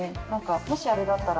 もしあれだったら。